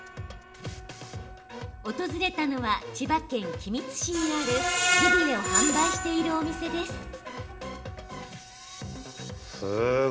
訪れたのは千葉県君津市にあるジビエを販売しているお店です。